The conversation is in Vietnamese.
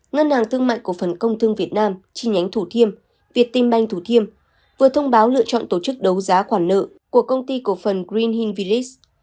ngân hàng thương mạnh cổ phần công thương việt nam chi nhánh thủ thiêm việt tim banh thủ thiêm vừa thông báo lựa chọn tổ chức đấu giá khoản nợ của công ty cổ phần green hill village